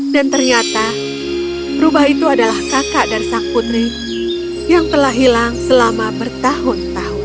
dan ternyata rubah itu adalah kakak dan sang putri yang telah hilang selama bertahun tahun